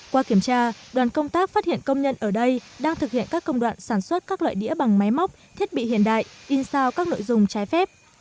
qua kiểm tra đoàn công tác phát hiện công nhân ở đây đang thực hiện các công đoạn sản xuất các loại đĩa bằng máy móc thiết bị hiện đại in sao các nội dung trái phép